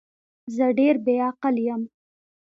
زه ډیر بی عقل یم